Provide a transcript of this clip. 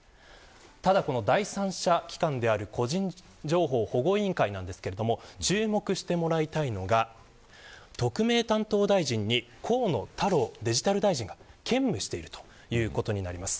ただ、この第三者機関である個人情報保護委員会なんですが注目してもらいたいのが特命担当大臣に河野太郎デジタル大臣が兼務しているということです。